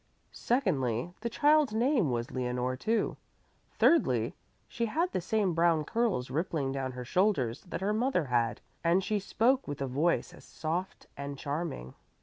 Secondly, the child's name was Leonore, too. Thirdly, she had the same brown curls rippling down her shoulders that her mother had, and she spoke with a voice as soft and charming.